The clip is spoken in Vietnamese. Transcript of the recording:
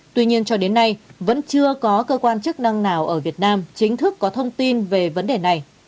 tuy nhiên cho đến nay vẫn chưa có cơ quan chức năng nào ở việt nam chính thức có thông tin về vấn đề này